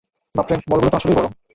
বাপরে, বলগুলো তো আসলেই বড়।